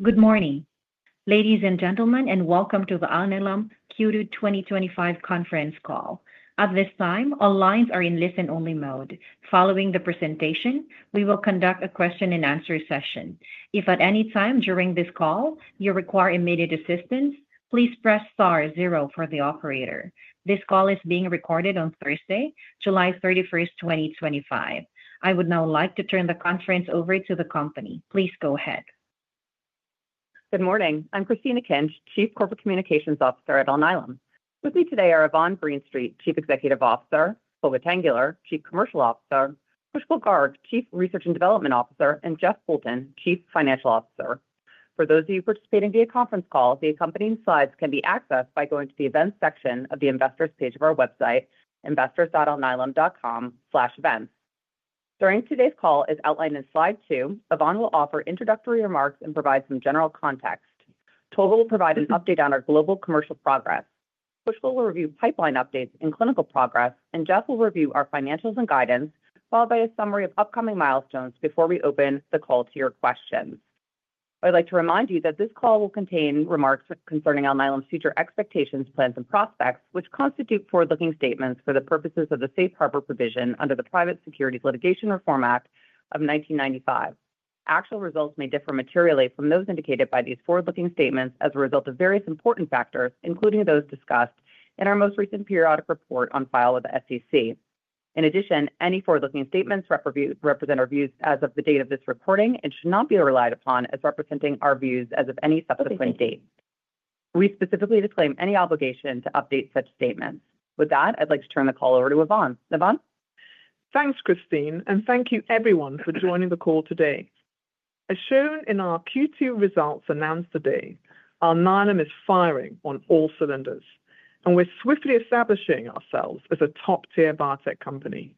Good morning, ladies and gentlemen, and welcome to the Alnylam Q2 2025 Conference Call. At this time, all lines are in listen-only mode. Following the presentation, we will conduct a question-and-answer session. If at any time during this call you require immediate assistance, please press star zero for the operator. This call is being recorded on Thursday, July 31st, 2025. I would now like to turn the conference over to the company. Please go ahead. Good morning. I'm Christine Akinc, Chief Corporate Communications Officer at Alnylam. With me today are Yvonne Greenstreet, Chief Executive Officer; Tolga Tanguler, Chief Commercial Officer; Pushkal Garg, Chief Research and Development Officer; and Jeff Poulton, Chief Financial Officer. For those of you participating via conference call, the accompanying slides can be accessed by going to the events section of the investors' page of our website, investors.alnylam.com/events. During today's call, as outlined in slide two, Yvonne will offer introductory remarks and provide some general context. Tolga will provide an update on our global commercial progress. Pushkal will review pipeline updates and clinical progress, and Jeff will review our financials and guidance, followed by a summary of upcoming milestones before we open the call to your questions. I'd like to remind you that this call will contain remarks concerning Alnylam future expectations, plans, and prospects, which constitute forward-looking statements for the purposes of the safe harbor provision under the Private Securities Litigation Reform Act of 1995. Actual results may differ materially from those indicated by these forward-looking statements as a result of various important factors, including those discussed in our most recent periodic report on file with the SEC. In addition, any forward-looking statements represent our views as of the date of this recording and should not be relied upon as representing our views as of any subsequent date. We specifically disclaim any obligation to update such statements. With that, I'd like to turn the call over to Yvonne. Yvonne? Thanks, Christine, and thank you everyone for joining the call today. As shown in our Q2 results announced today, Alnylam is firing on all cylinders, and we're swiftly establishing ourselves as a top-tier biotech company.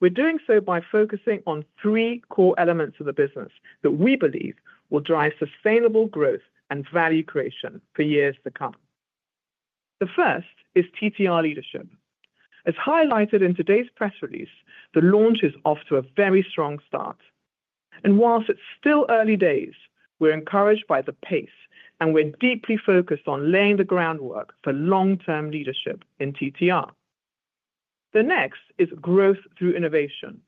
We're doing so by focusing on three core elements of the business that we believe will drive sustainable growth and value creation for years to come. The first is TTR leadership. As highlighted in today's press release, the launch is off to a very strong start. Whilst it's still early days, we're encouraged by the pace, and we're deeply focused on laying the groundwork for long-term leadership in TTR. The next is growth through innovation,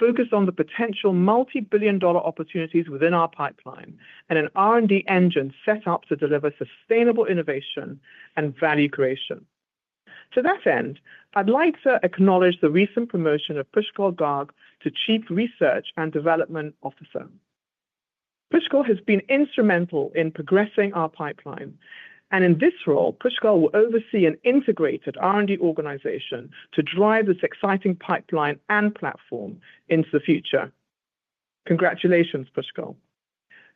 focused on the potential multi-billion dollar opportunities within our pipeline and an R&D engine set up to deliver sustainable innovation and value creation. To that end, I'd like to acknowledge the recent promotion of Pushkal Garg to Chief Research and Development Officer. Pushkal has been instrumental in progressing our pipeline, and in this role, Pushkal will oversee an integrated R&D organization to drive this exciting pipeline and platform into the future. Congratulations, Pushkal.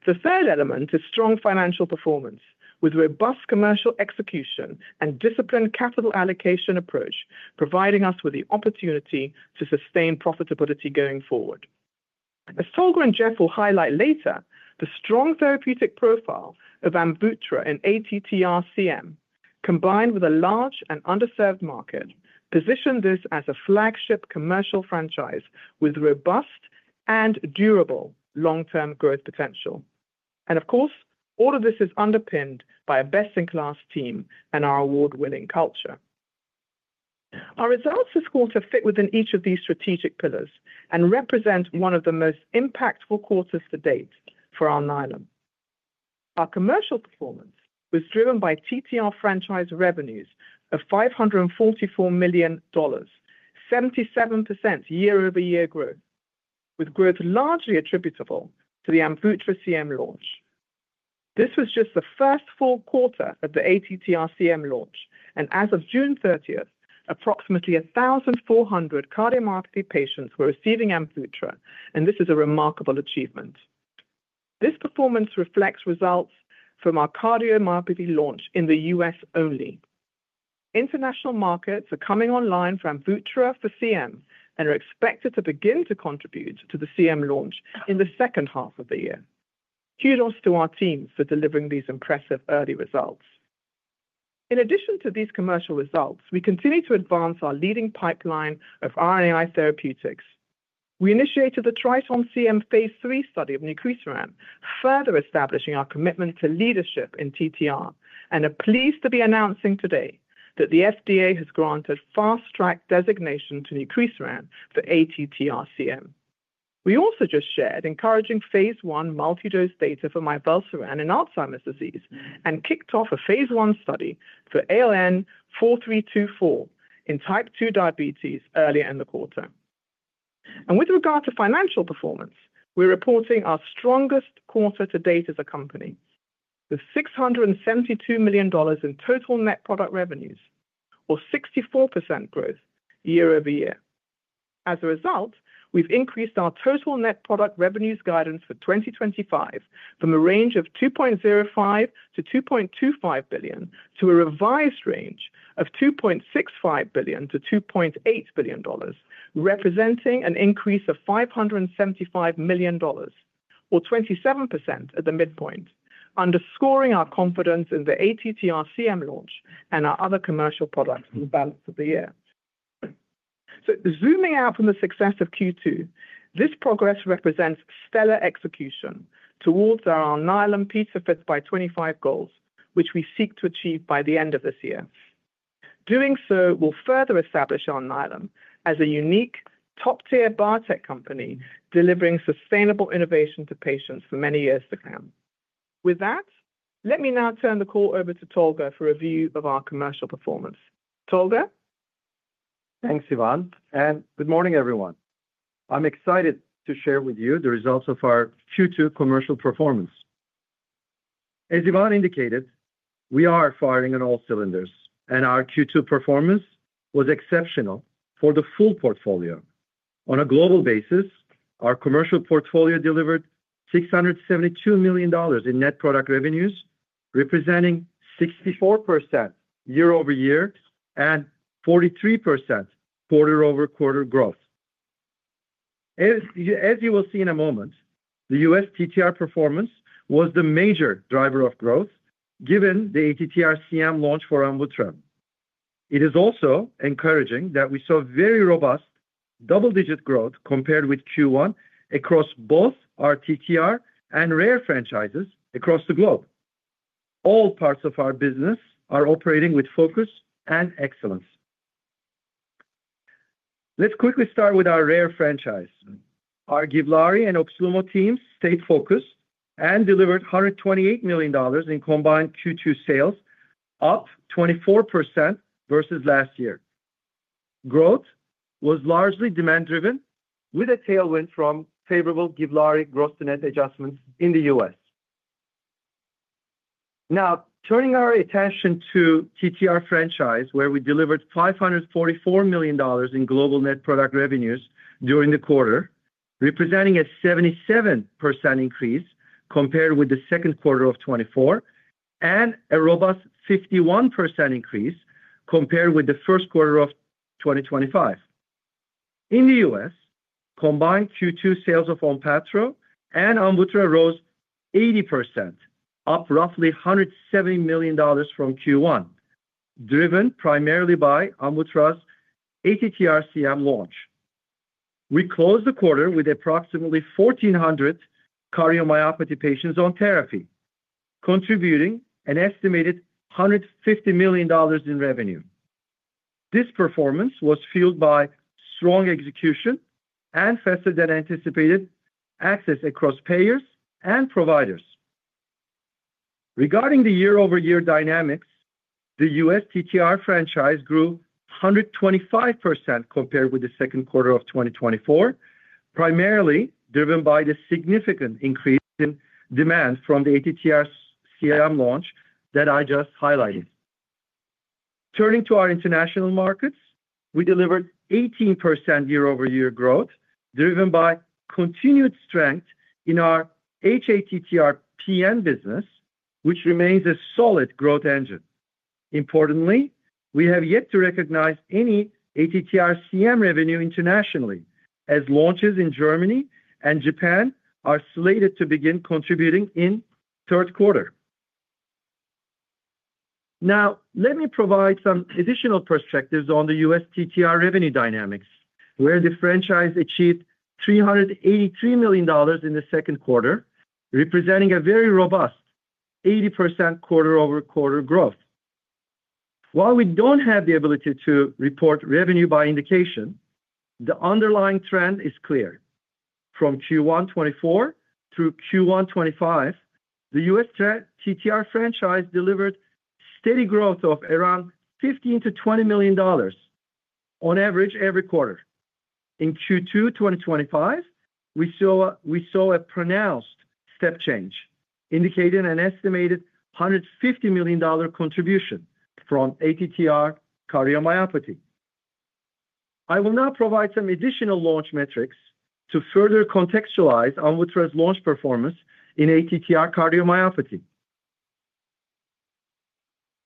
The third element is strong financial performance with robust commercial execution and a disciplined capital allocation approach, providing us with the opportunity to sustain profitability going forward. As Tolga and Jeff will highlight later, the strong therapeutic profile of AMVUTTRA in ATTR-CM, combined with a large and underserved market, positions this as a flagship commercial franchise with robust and durable long-term growth potential. Of course, all of this is underpinned by a best-in-class team and our award-winning culture. Our results this quarter fit within each of these strategic pillars and represent one of the most impactful quarters to date for Alnylam. Our commercial performance was driven by TTR franchise revenues of $544 million, 77% year-over-year growth, with growth largely attributable to the AMVUTTRA CM launch. This was just the first full quarter of the ATTR-CM launch, and as of June 30th, approximately 1,400 cardiomyopathy patients were receiving AMVUTTRA, and this is a remarkable achievement. This performance reflects results from our cardiomyopathy launch in the U.S. only. International markets are coming online for AMVUTTRA for CM and are expected to begin to contribute to the CM launch in the second half of the year. Kudos to our teams for delivering these impressive early results. In addition to these commercial results, we continue to advance our leading pipeline of RNAi therapeutics. We initiated the TRITON-CM phase III study of nucresiran, further establishing our commitment to leadership in TTR, and are pleased to be announcing today that the FDA has granted fast-track designation to nucresiran for ATTR-CM. We also just shared encouraging phase I multi-dose data for mivelsiran in Alzheimer’s disease and kicked off a phase I study for ALN-4324 in type 2 diabetes earlier in the quarter. With regard to financial performance, we're reporting our strongest quarter to date as a company, with $672 million in total net product revenues, or 64% growth year-over-year. As a result, we've increased our total net product revenues guidance for 2025 from a range of $2.05 billion-$2.25 billion to a revised range of $2.65 billion-$2.8 billion, representing an increase of $575 million, or 27% at the midpoint, underscoring our confidence in the ATTR-CM launch and our other commercial products in the balance of the year. Zooming out from the success of Q2, this progress represents stellar execution towards our Alnylam P5x25 goals, which we seek to achieve by the end of this year. Doing so will further establish Alnylam as a unique top-tier biotech company delivering sustainable innovation to patients for many years to come. With that, let me now turn the call over to Tolga for a review of our commercial performance. Tolga? Thanks, Yvonne, and good morning, everyone. I'm excited to share with you the results of our Q2 commercial performance. As Yvonne indicated, we are firing on all cylinders, and our Q2 performance was exceptional for the full portfolio. On a global basis, our commercial portfolio delivered $672 million in net product revenues, representing 64% year-over-year and 43% quarter-over-quarter growth. As you will see in a moment, the U.S. TTR performance was the major driver of growth given the ATTR-CM launch for AMVUTTRA. It is also encouraging that we saw very robust double-digit growth compared with Q1 across both our TTR and rare franchises across the globe. All parts of our business are operating with focus and excellence. Let's quickly start with our rare franchise. Our GIVLAARI and OXLUMO teams stayed focused and delivered $128 million in combined Q2 sales, up 24% versus last year. Growth was largely demand-driven, with a tailwind from favorable GIVLAARI gross-to-net adjustments in the U.S. Now, turning our attention to TTR franchise, where we delivered $544 million in global net product revenues during the quarter, representing a 77% increase compared with the second quarter of 2024 and a robust 51% increase compared with the first quarter of 2025. In the U.S., combined Q2 sales of ONPATTRO and AMVUTTRA rose 80%, up roughly $170 million from Q1, driven primarily by AMVUTTRA's ATTR-CM launch. We closed the quarter with approximately 1,400 cardiomyopathy patients on therapy, contributing an estimated $150 million in revenue. This performance was fueled by strong execution and faster-than-anticipated access across payers and providers. Regarding the year-over-year dynamics, the U.S. TTR franchise grew 125% compared with the second quarter of 2024, primarily driven by the significant increase in demand from the ATTR-CM launch that I just highlighted. Turning to our international markets, we delivered 18% year-over-year growth, driven by continued strength in our hATTR-PN business, which remains a solid growth engine. Importantly, we have yet to recognize any ATTR-CM revenue internationally, as launches in Germany and Japan are slated to begin contributing in the third quarter. Now, let me provide some additional perspectives on the U.S. TTR revenue dynamics, where the franchise achieved $383 million in the second quarter, representing a very robust 80% quarter-over-quarter growth. While we don't have the ability to report revenue by indication, the underlying trend is clear. From Q1 2024 through Q1 2025, the U.S. TTR franchise delivered steady growth of around $15 million-$20 million on average every quarter. In Q2 2025, we saw a pronounced step change, indicating an estimated $150 million contribution from ATTR cardiomyopathy. I will now provide some additional launch metrics to further contextualize AMVUTTRA's launch performance in ATTR cardiomyopathy.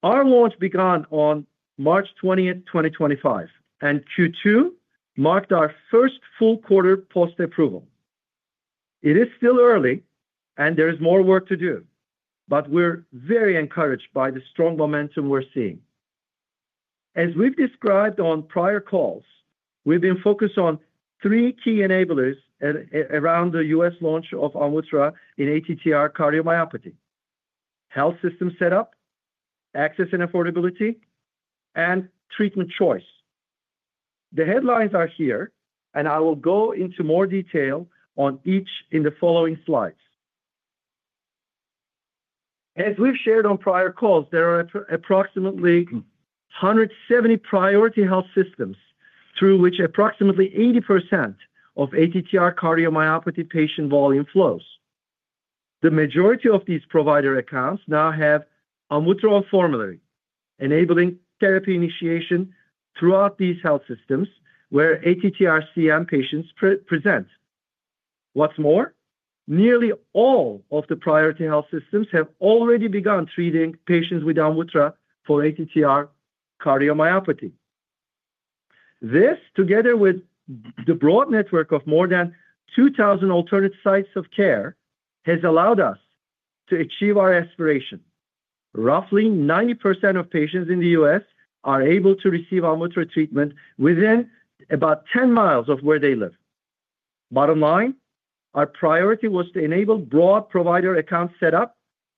Our launch began on March 20th, 2025, and Q2 marked our first full quarter post-approval. It is still early, and there is more work to do, but we're very encouraged by the strong momentum we're seeing. As we've described on prior calls, we've been focused on three key enablers around the U.S. launch of AMVUTTRA in ATTR cardiomyopathy: health system setup, access and affordability, and treatment choice. The headlines are here, and I will go into more detail on each in the following slides. As we've shared on prior calls, there are approximately 170 priority health systems through which approximately 80% of ATTR cardiomyopathy patient volume flows. The majority of these provider accounts now have AMVUTTRA on formulary, enabling therapy initiation throughout these health systems where ATTR-CM patients present. What's more, nearly all of the priority health systems have already begun treating patients with AMVUTTRA for ATTR cardiomyopathy. This, together with the broad network of more than 2,000 alternate sites of care, has allowed us to achieve our aspiration. Roughly 90% of patients in the U.S. are able to receive AMVUTTRA treatment within about 10 miles of where they live. Bottom line, our priority was to enable broad provider account setup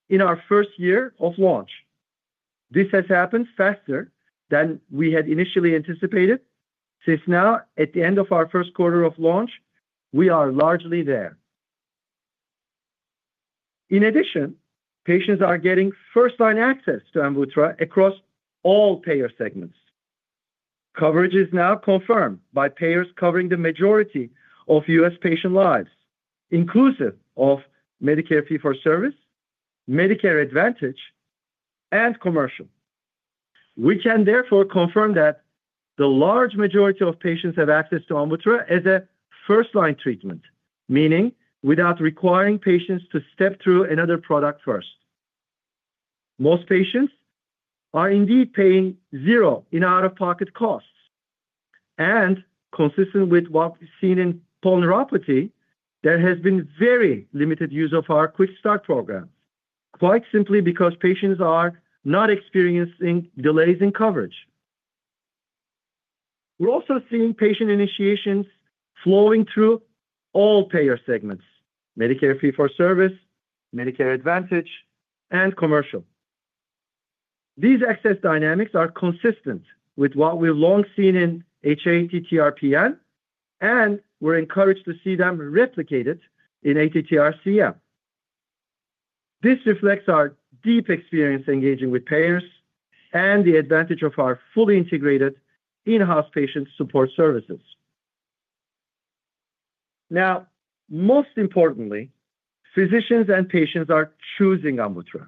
in our first year of launch. This has happened faster than we had initially anticipated. Since now, at the end of our first quarter of launch, we are largely there. In addition, patients are getting first-line access to AMVUTTRA across all payer segments. Coverage is now confirmed by payers covering the majority of U.S. patient lives, inclusive of Medicare Fee-for-Service, Medicare Advantage, and Commercial. We can therefore confirm that the large majority of patients have access to AMVUTTRA as a first-line treatment, meaning without requiring patients to step through another product first. Most patients are indeed paying zero in out-of-pocket costs. Consistent with what we've seen in polyneuropathy, there has been very limited use of our QuickStart program, quite simply because patients are not experiencing delays in coverage. We're also seeing patient initiations flowing through all payer segments: Medicare Fee-for-Service, Medicare Advantage, and Commercial. These access dynamics are consistent with what we've long seen in hATTR-PN, and we're encouraged to see them replicated in ATTR-CM. This reflects our deep experience engaging with payers and the advantage of our fully integrated in-house patient support services. Most importantly, physicians and patients are choosing AMVUTTRA,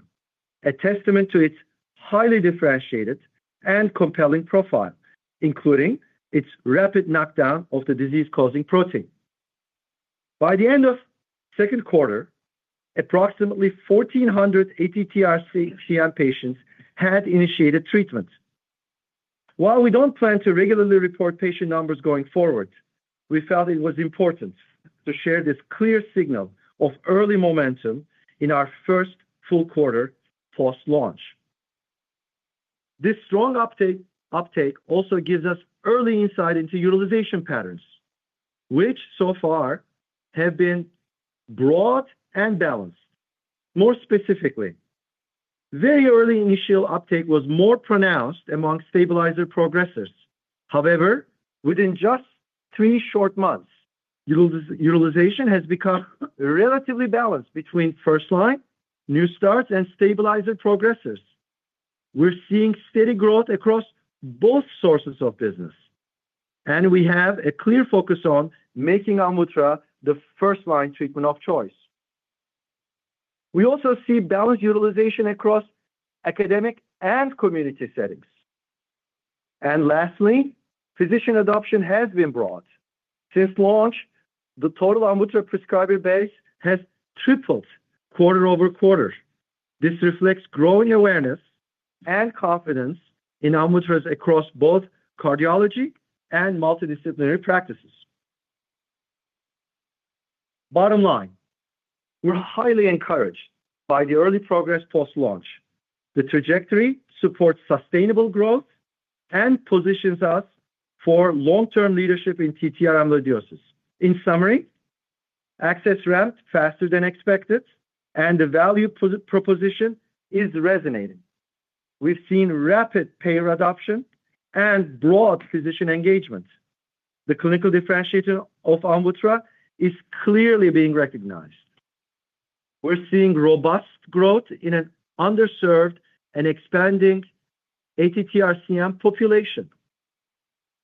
a testament to its highly differentiated and compelling profile, including its rapid knockdown of the disease-causing protein. By the end of the second quarter, approximately 1,400 ATTR-CM patients had initiated treatment. While we don't plan to regularly report patient numbers going forward, we felt it was important to share this clear signal of early momentum in our first full quarter post-launch. This strong uptake also gives us early insight into utilization patterns, which so far have been broad and balanced. More specifically, very early initial uptake was more pronounced among stabilizer-progressor patients. However, within just three short months, utilization has become relatively balanced between first-line new starts and stabilizer-progressor patients. We're seeing steady growth across both sources of business, and we have a clear focus on making AMVUTTRA the first-line treatment of choice. We also see balanced utilization across academic and community settings. Lastly, physician adoption has been broad. Since launch, the total AMVUTTRA prescriber base has tripled quarter-over-quarter. This reflects growing awareness and confidence in AMVUTTRA across both cardiology and multidisciplinary practices. Bottom line, we're highly encouraged by the early progress post-launch. The trajectory supports sustainable growth and positions us for long-term leadership in TTR Amyloidosis. In summary, access ramped faster than expected, and the value proposition is resonating. We've seen rapid payer adoption and broad physician engagement. The clinical differentiator of AMVUTTRA is clearly being recognized. We're seeing robust growth in an underserved and expanding ATTR-CM population.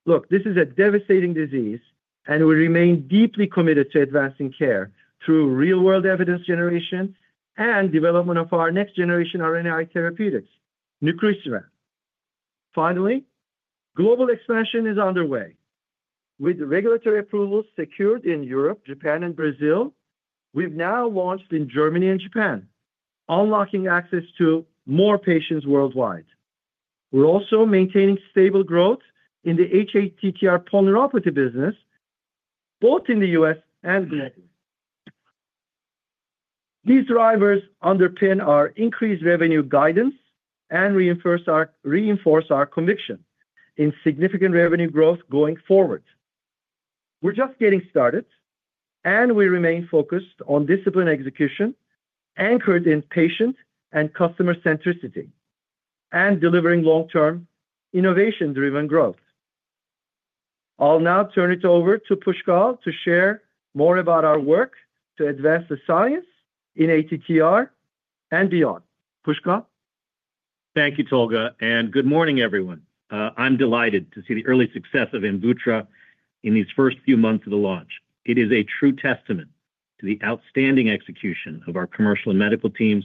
Look, this is a devastating disease, and we remain deeply committed to advancing care through real-world evidence generation and development of our next-generation RNAi therapeutics, nucresiran. Finally, global expansion is underway. With regulatory approvals secured in Europe, Japan, and Brazil, we've now launched in Germany and Japan, unlocking access to more patients worldwide. We're also maintaining stable growth in the hATTR Polyneuropathy business, both in the U.S. and globally. These drivers underpin our increased revenue guidance and reinforce our conviction in significant revenue growth going forward. We're just getting started, and we remain focused on disciplined execution anchored in patient and customer centricity and delivering long-term innovation-driven growth. I'll now turn it over to Pushkal to share more about our work to advance the science in ATTR and beyond. Pushkal? Thank you, Tolga, and good morning, everyone. I'm delighted to see the early success of AMVUTTRA in these first few months of the launch. It is a true testament to the outstanding execution of our commercial and medical teams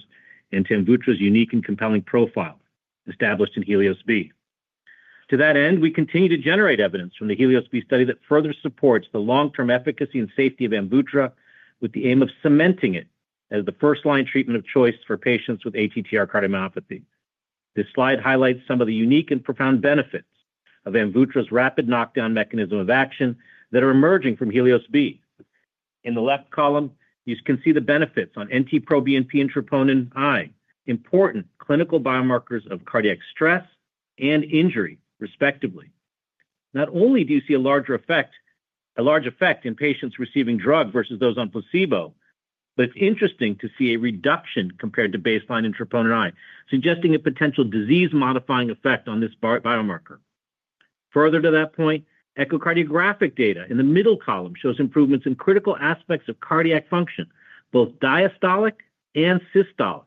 and to AMVUTTRA's unique and compelling profile established in HELIOS-B. To that end, we continue to generate evidence from the HELIOS-B study that further supports the long-term efficacy and safety of AMVUTTRA with the aim of cementing it as the first-line treatment of choice for patients with ATTR cardiomyopathy. This slide highlights some of the unique and profound benefits of AMVUTTRA's rapid knockdown mechanism of action that are emerging from HELIOS-B. In the left column, you can see the benefits on NT-proBNP and troponin I, important clinical biomarkers of cardiac stress and injury, respectively. Not only do you see a large effect in patients receiving drug versus those on placebo, but it's interesting to see a reduction compared to baseline in troponin I, suggesting a potential disease-modifying effect on this biomarker. Further to that point, echocardiographic data in the middle column shows improvements in critical aspects of cardiac function, both diastolic and systolic.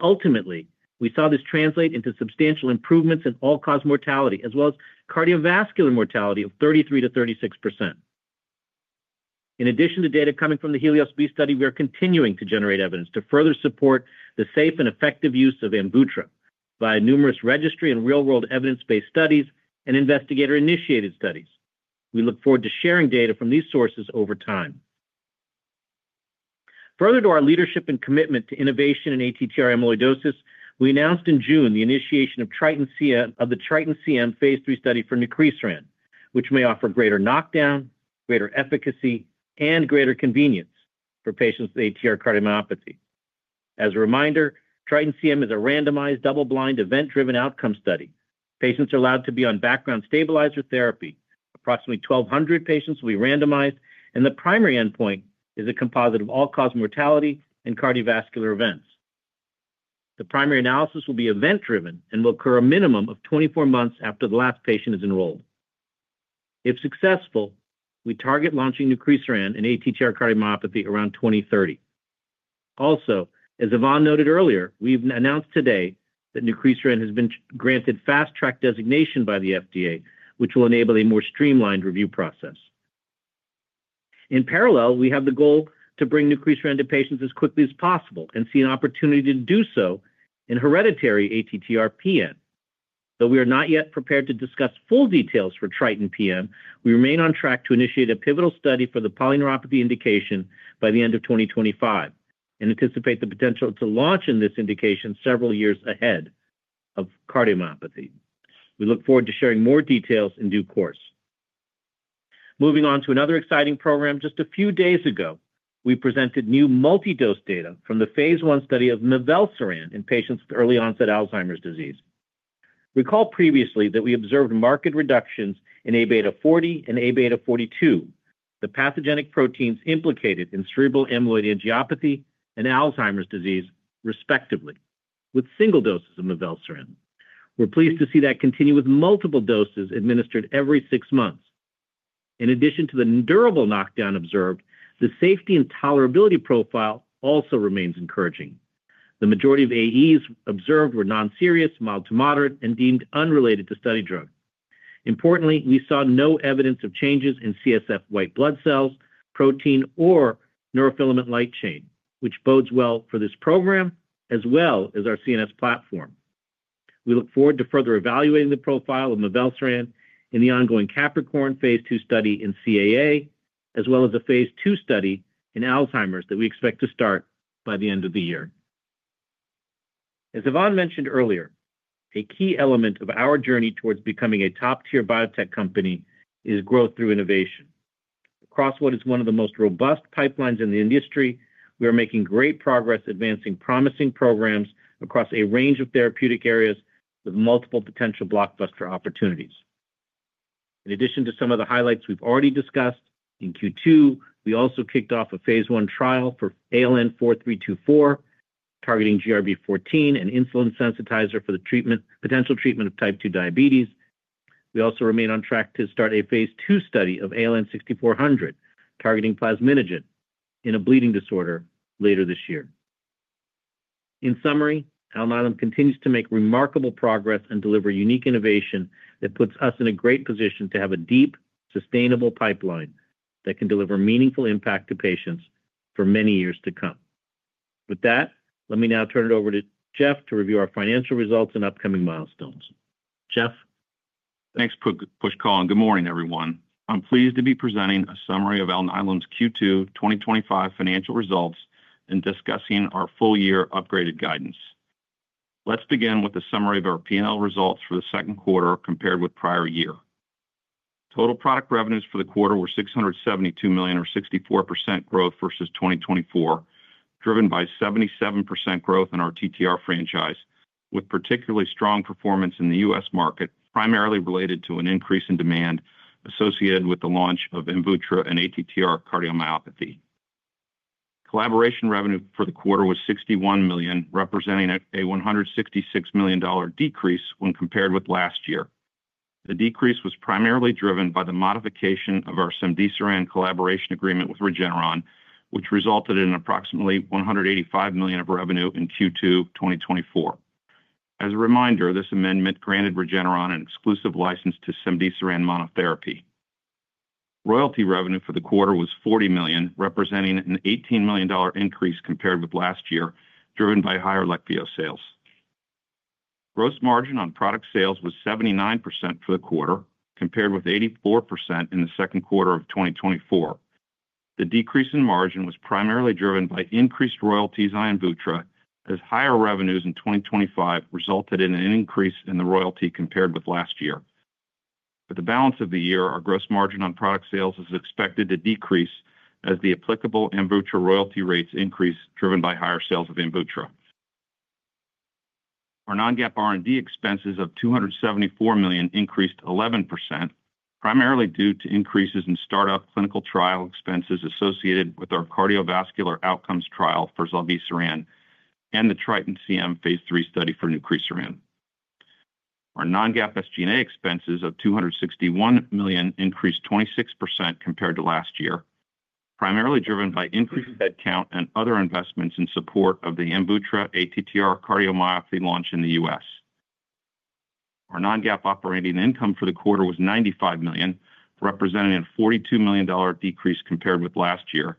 Ultimately, we saw this translate into substantial improvements in all-cause mortality, as well as cardiovascular mortality of 33%-36%. In addition to data coming from the HELIOS-B study, we are continuing to generate evidence to further support the safe and effective use of AMVUTTRA by numerous registry and real-world evidence-based studies and investigator-initiated studies. We look forward to sharing data from these sources over time. Further to our leadership and commitment to innovation in ATTR amyloidosis, we announced in June the initiation of TRITON-CM phase III study for nucresiran, which may offer greater knockdown, greater efficacy, and greater convenience for patients with ATTR cardiomyopathy. As a reminder, TRITON-CM is a randomized, double-blind, event-driven outcome study. Patients are allowed to be on background stabilizer therapy. Approximately 1,200 patients will be randomized, and the primary endpoint is a composite of all-cause mortality and cardiovascular events. The primary analysis will be event-driven and will occur a minimum of 24 months after the last patient is enrolled. If successful, we target launching nucresiran in ATTR cardiomyopathy around 2030. Also, as Yvonne noted earlier, we've announced today that nucresiran has been granted fast-track designation by the FDA, which will enable a more streamlined review process. In parallel, we have the goal to bring nucresiran to patients as quickly as possible and see an opportunity to do so in hereditary ATTR-PN. Though we are not yet prepared to discuss full details for TRITON-PN, we remain on track to initiate a pivotal study for the polyneuropathy indication by the end of 2025 and anticipate the potential to launch in this indication several years ahead of cardiomyopathy. We look forward to sharing more details in due course. Moving on to another exciting program, just a few days ago, we presented new multi-dose data from the phase I study of mivelsiran in patients with early-onset Alzheimer’s disease. Recall previously that we observed marked reductions in A beta 40 and A beta 42, the pathogenic proteins implicated in cerebral amyloid angiopathy and Alzheimer’s disease, respectively, with single doses of mivelsiran. We're pleased to see that continue with multiple doses administered every six months. In addition to the durable knockdown observed, the safety and tolerability profile also remains encouraging. The majority of AEs observed were non-serious, mild to moderate, and deemed unrelated to study drug. Importantly, we saw no evidence of changes in CSF white blood cells, protein, or neurofilament light chain, which bodes well for this program as well as our CNS platform. We look forward to further evaluating the profile of mivelsiran in the ongoing cAPPricorn phase II study in CAA, as well as a phase II study in Alzheimer’s that we expect to start by the end of the year. As Yvonne mentioned earlier, a key element of our journey towards becoming a top-tier biotech company is growth through innovation. Alnylam has one of the most robust pipelines in the industry. We are making great progress advancing promising programs across a range of therapeutic areas with multiple potential blockbuster opportunities. In addition to some of the highlights we've already discussed, in Q2, we also kicked off a Phase 1 trial for ALN-4324, targeting GRB14, an insulin sensitizer for the potential treatment of type 2 diabetes. We also remain on track to start a phase II study of ALN-6400, targeting plasminogen in a bleeding disorder later this year. In summary, Alnylam continues to make remarkable progress and deliver unique innovation that puts us in a great position to have a deep, sustainable pipeline that can deliver meaningful impact to patients for many years to come. With that, let me now turn it over to Jeff to review our financial results and upcoming milestones. Jeff. Thanks, Pushkal. Good morning, everyone. I'm pleased to be presenting a summary of Alnylam's Q2 2025 financial results and discussing our full-year upgraded guidance. Let's begin with a summary of our P&L results for the second quarter compared with prior year. Total product revenues for the quarter were $672 million, or 64% growth versus 2024, driven by 77% growth in our TTR franchise, with particularly strong performance in the U.S. market, primarily related to an increase in demand associated with the launch of AMVUTTRA and ATTR cardiomyopathy. Collaboration revenue for the quarter was $61 million, representing a $166 million decrease when compared with last year. The decrease was primarily driven by the modification of our Cemdisiran collaboration agreement with Regeneron, which resulted in approximately $185 million of revenue in Q2 2024. As a reminder, this amendment granted Regeneron an exclusive license to Cemdisiran monotherapy. Royalty revenue for the quarter was $40 million, representing an $18 million increase compared with last year, driven by higher LEQVIO sales. Gross margin on product sales was 79% for the quarter, compared with 84% in the second quarter of 2024. The decrease in margin was primarily driven by increased royalties on AMVUTTRA, as higher revenues in 2025 resulted in an increase in the royalty compared with last year. For the balance of the year, our gross margin on product sales is expected to decrease as the applicable AMVUTTRA royalty rates increase, driven by higher sales of AMVUTTRA. Our non-GAAP R&D expenses of $274 million increased 11%, primarily due to increases in startup clinical trial expenses associated with our cardiovascular outcomes trial for zilebesiran and the TRITON-CM phase III study for nucresiran. Our non-GAAP SG&A expenses of $261 million increased 26% compared to last year, primarily driven by increased headcount and other investments in support of the AMVUTTRA ATTR cardiomyopathy launch in the U.S. Our non-GAAP operating income for the quarter was $95 million, representing a $42 million decrease compared with last year,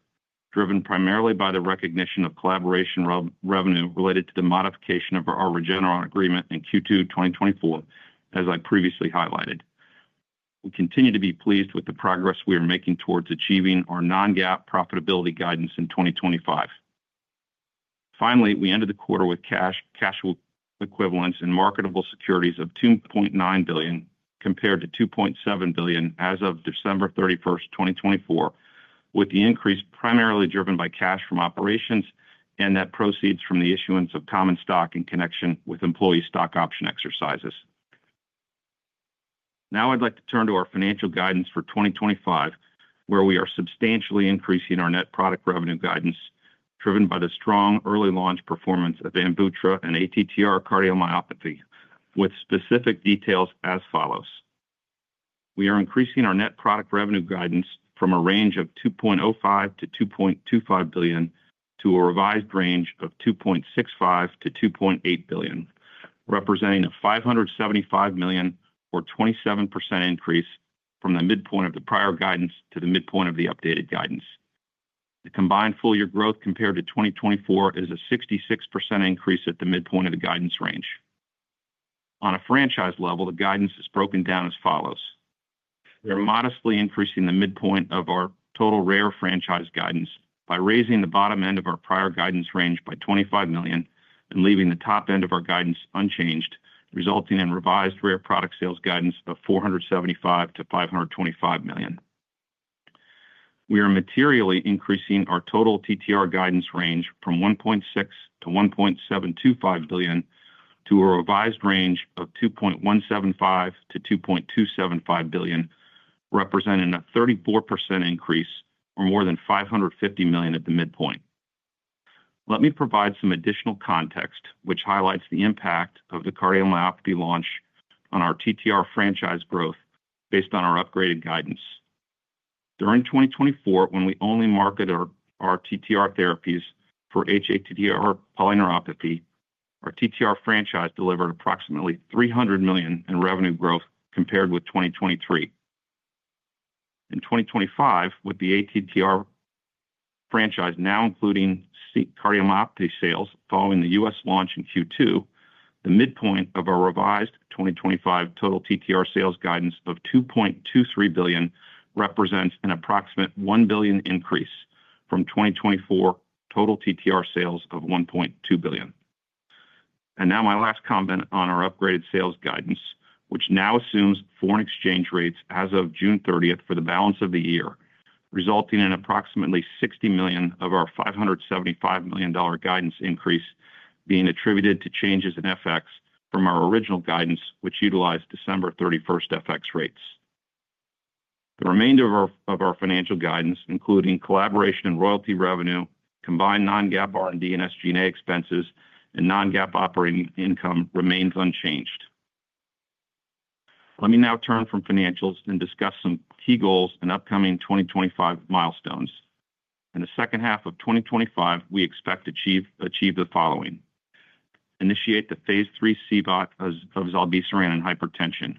driven primarily by the recognition of collaboration revenue related to the modification of our Regeneron agreement in Q2 2024, as I previously highlighted. We continue to be pleased with the progress we are making towards achieving our non-GAAP profitability guidance in 2025. Finally, we ended the quarter with cash equivalents and marketable securities of $2.9 billion compared to $2.7 billion as of December 31st, 2024, with the increase primarily driven by cash from operations and proceeds from the issuance of common stock in connection with employee stock option exercises. Now, I'd like to turn to our financial guidance for 2025, where we are substantially increasing our net product revenue guidance, driven by the strong early launch performance of AMVUTTRA in ATTR cardiomyopathy, with specific details as follows. We are increasing our net product revenue guidance from a range of $2.05 billion-$2.25 billion to a revised range of $2.65 billion-$2.8 billion, representing a $575 million, or 27% increase from the midpoint of the prior guidance to the midpoint of the updated guidance. The combined full-year growth compared to 2024 is a 66% increase at the midpoint of the guidance range. On a franchise level, the guidance is broken down as follows. We are modestly increasing the midpoint of our total rare franchise guidance by raising the bottom end of our prior guidance range by $25 million and leaving the top end of our guidance unchanged, resulting in revised rare product sales guidance of $475 million-$525 million. We are materially increasing our total TTR guidance range from $1.6 to $1.725 billion to a revised range of $2.175 billion-$2.275 billion, representing a 34% increase or more than $550 million at the midpoint. Let me provide some additional context, which highlights the impact of the cardiomyopathy launch on our TTR franchise growth based on our upgraded guidance. During 2024, when we only marketed our TTR therapies for hATTR polyneuropathy, our TTR franchise delivered approximately $300 million in revenue growth compared with 2023. In 2025, with the ATTR franchise now including cardiomyopathy sales following the U.S. launch in Q2, the midpoint of our revised 2025 total TTR sales guidance of $2.23 billion represents an approximate $1 billion increase from 2024 total TTR sales of $1.2 billion. My last comment on our upgraded sales guidance, which now assumes foreign exchange rates as of June 30th for the balance of the year, results in approximately $60 million of our $575 million guidance increase being attributed to changes in FX from our original guidance, which utilized December 31st FX rates. The remainder of our financial guidance, including collaboration and royalty revenue, combined non-GAAP R&D and SG&A expenses, and non-GAAP operating income, remains unchanged. Let me now turn from financials and discuss some key goals and upcoming 2025 milestones. In the second half of 2025, we expect to achieve the following. Initiate the phase III CBOT of zilebesiran in hypertension.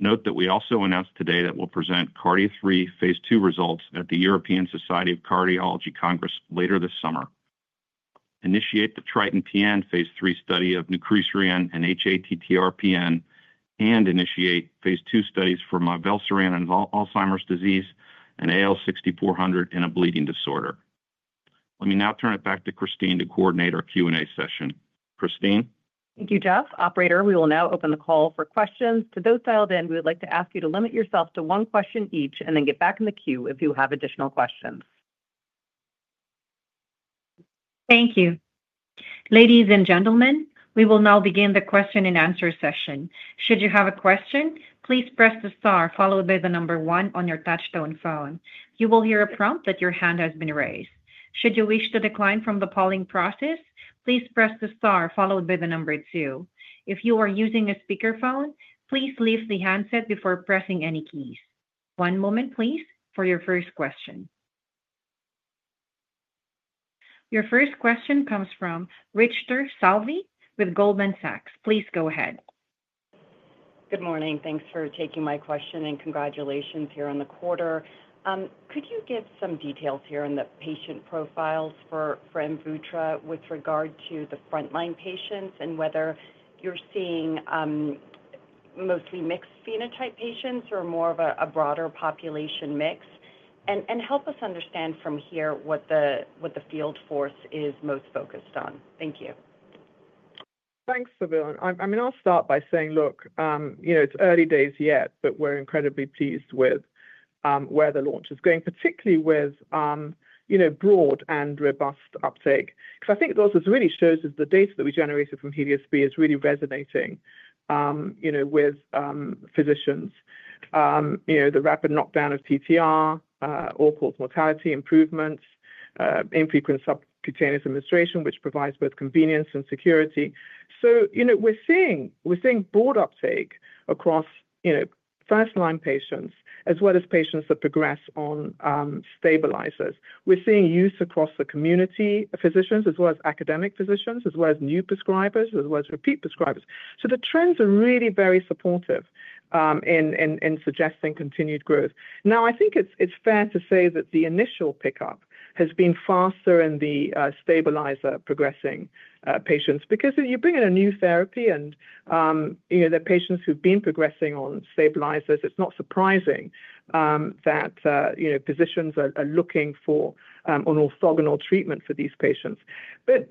Note that we also announced today that we'll present CARDIA III phase II results at the European Society of Cardiology Congress later this summer. Initiate the TRITON-PN phase III study of zilebesiran in hATTR-PN, and initiate phase II studies for mivelsiran in Alzheimer’s disease and AL-6400 in a bleeding disorder. Let me now turn it back to Christine to coordinate our Q&A session. Christine. Thank you, Jeff. Operator, we will now open the call for questions. To those dialed in, we would like to ask you to limit yourself to one question each and then get back in the queue if you have additional questions. Thank you. Ladies and gentlemen, we will now begin the question and answer session. Should you have a question, please press the star followed by the number one on your touchstone phone. You will hear a prompt that your hand has been raised. Should you wish to decline from the polling process, please press the star followed by the number two. If you are using a speakerphone, please leave the handset before pressing any keys. One moment, please, for your first question. Your first question comes from Richter Salveen with Goldman Sachs. Please go ahead. Good morning. Thanks for taking my question and congratulations here on the quarter. Could you give some details here on the patient profiles for AMVUTTRA with regard to the first-line patients and whether you're seeing mostly mixed phenotype patients or more of a broader population mix? Help us understand from here what the field force is most focused on. Thank you. Thanks, Salveen. I'll start by saying, look, it's early days yet, but we're incredibly pleased with where the launch is going, particularly with broad and robust uptake. I think it also really shows us the data that we generated from HELIOS-B is really resonating with physicians. The rapid knockdown of TTR, all-cause mortality improvements, infrequent subcutaneous administration, which provides both convenience and security. We're seeing broad uptake across first-line patients as well as patients that progress on stabilizers. We're seeing use across the community physicians as well as academic physicians, as well as new prescribers, as well as repeat prescribers. The trends are really very supportive in suggesting continued growth. I think it's fair to say that the initial pickup has been faster in the stabilizer-progressor patients because you bring in a new therapy and there are patients who've been progressing on stabilizers. It's not surprising that physicians are looking for an orthogonal treatment for these patients.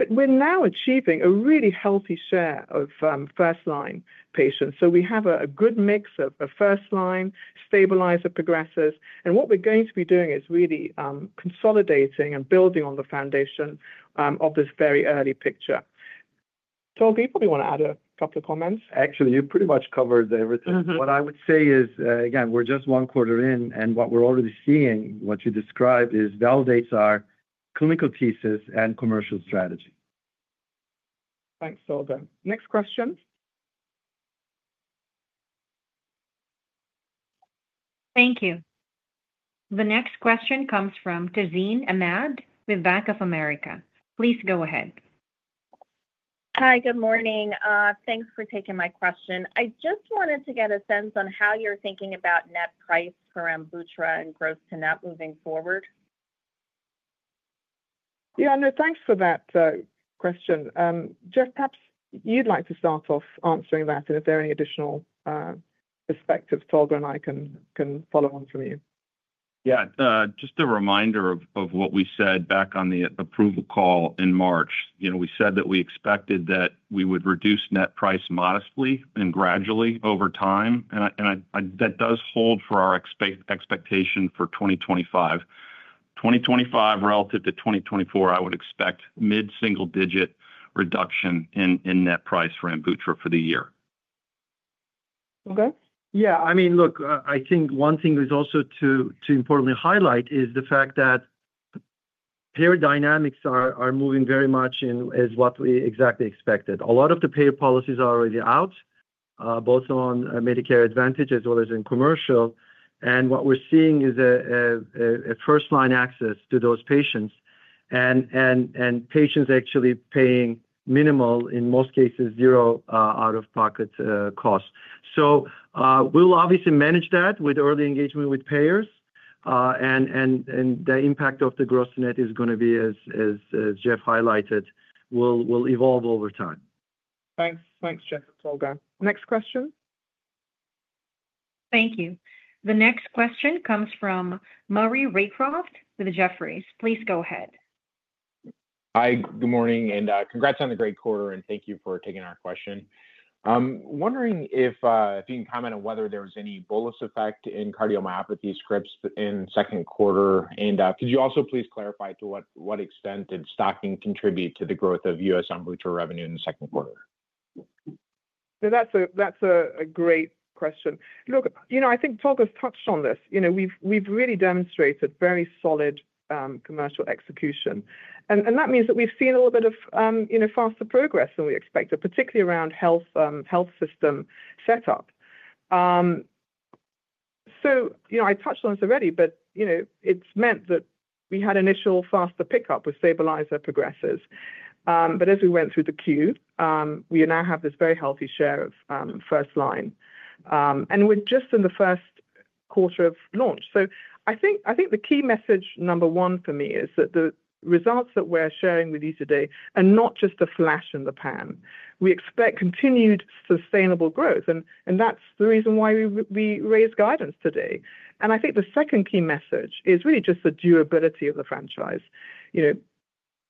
We're now achieving a really healthy share of first-line patients. We have a good mix of first-line, stabilizer progressors. What we're going to be doing is really consolidating and building on the foundation of this very early picture. Tolga, you probably want to add a couple of comments. Actually, you pretty much covered everything. What I would say is, again, we're just one quarter in, and what we're already seeing, what you described, validates our clinical thesis and commercial strategy. Thanks, Tolga. Next question. Thank you. The next question comes from Tazeen Ahmad with Bank of America. Please go ahead. Hi, good morning. Thanks for taking my question. I just wanted to get a sense on how you're thinking about net price for AMVUTTRA and gross to net moving forward. Yeah, no, thanks for that question. Jeff, perhaps you'd like to start off answering that, and if there are any additional perspectives, Tolga and I can follow on from you. Yeah, just a reminder of what we said back on the approval call in March. We said that we expected that we would reduce net price modestly and gradually over time. That does hold for our expectation for 2025. 2025 relative to 2024, I would expect mid-single-digit reduction in net price for AMVUTTRA for the year. Okay. I think one thing is also important to highlight is the fact that payer dynamics are moving very much in as what we exactly expected. A lot of the payer policies are already out, both on Medicare Advantage as well as in commercial. What we're seeing is first-line access to those patients and patients actually paying minimal, in most cases, zero out-of-pocket costs. We'll obviously manage that with early engagement with payers. The impact of the gross to net is going to be, as Jeff highlighted, will evolve over time. Thanks. Thanks, Jeff. Tolga. Next question. Thank you. The next question comes from Maury Raycroft with Jefferies. Please go ahead. Hi, good morning, and congrats on the great quarter, and thank you for taking our question. I'm wondering if you can comment on whether there was any bolus effect in cardiomyopathy scripts in second quarter. Could you also please clarify to what extent did stocking contribute to the growth of U.S. AMVUTTRA revenue in the second quarter? That's a great question. I think Tolga has touched on this. We've really demonstrated very solid commercial execution. That means that we've seen a little bit of faster progress than we expected, particularly around health system setup. I touched on this already, but it's meant that we had initial faster pickup with stabilizer-progressor patients. As we went through the quarter, we now have this very healthy share of first-line. We're just in the first quarter of launch. I think the key message, number one for me, is that the results that we're sharing with you today are not just a flash in the pan. We expect continued sustainable growth, and that's the reason why we raised guidance today. I think the second key message is really just the durability of the franchise.